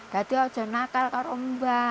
jadi sudah nakal kalau saya